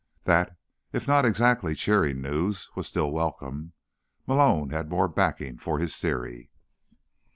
That, if not exactly cheering news, was still welcome; Malone had more backing for his theory.